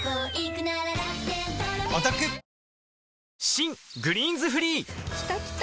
新「グリーンズフリー」きたきた！